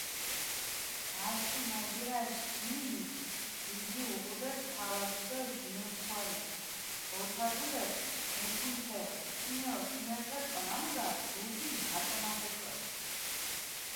ართიმაჟირაშ ჯინი დიდი უღუდეს თავადი დო ჟინოსქუალენს, ოცადუდეს მუთუნფერო, თინერო ქიმერთესკო ნამუდა დუდი მაწონაფესკონი.